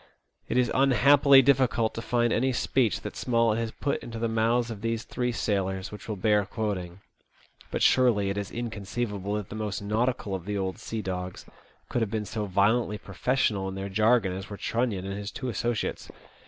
It is unhappily difficult to find any speech that Smollett has put into the mouths of these three sailors which will bear quoting ; but surely it is inconceivable that the most nautical of the 'old sea dogs could have been so Violently professional in their jargon as were Trunnion and his two associates.